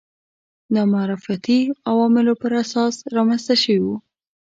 نامعرفتي عواملو پر اساس رامنځته شوي وو